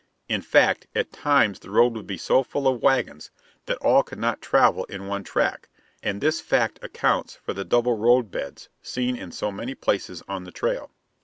In fact, at times the road would be so full of wagons that all could not travel in one track, and this fact accounts for the double roadbeds seen in so many places on the trail.